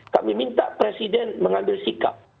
kami minta presiden mengambil sikap